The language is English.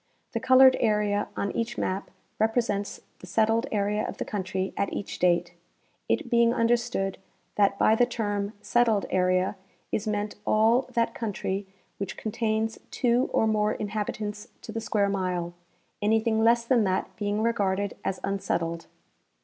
The colored area on each ma,p represents the settled area of the country at each date, it being understood that by the term " settled area " is meant all that country which contains two or more inhabitants to the square mile, anything less than that being regarded as unsettled.